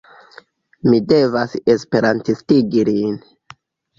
Mi devas esperantistigi lin.